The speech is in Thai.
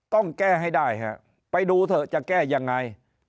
ต้องแก้ให้ได้ฮะไปดูเถอะจะแก้ยังไง